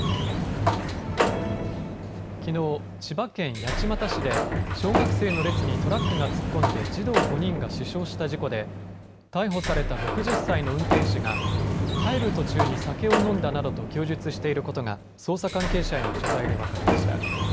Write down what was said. きのう、千葉県八街市で小学生の列にトラックが突っ込んで児童５人が死傷した事故で逮捕された６０歳の運転手が帰る途中に酒を飲んだなどと供述していることが捜査関係者への取材で分かりました。